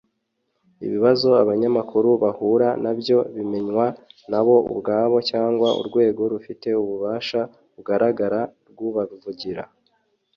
Ibibazo abanyamakuru bahura na byo bimenywa na bo ubwabo cyangwa urwego rufite ububasha bugaragara rubavugira